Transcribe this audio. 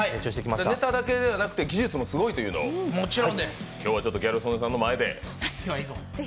ネタだけではなくて技術もすごいというのを今日はギャル曽根さんの前で。